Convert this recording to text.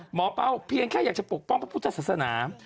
เป้าเพียงแค่อยากจะปกป้องพระพุทธศาสนา